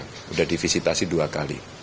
sudah divisitasi dua kali